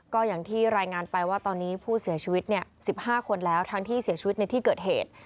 ก็อย่างที่รายงานไปว่าตอนนี้ผู้เสียชีวิต๑๕คนแล้วทั้งที่เสียชีวิตในที่เกิดเหตุ